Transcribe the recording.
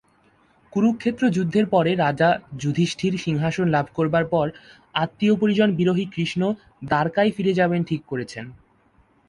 কুরুক্ষেত্র যুদ্ধের পরে রাজা যুধিষ্ঠির সিংহাসন লাভ করবার পর আত্মীয়পরিজন-বিরহী কৃষ্ণ দ্বারকায় ফিরে যাবেন ঠিক করেছেন।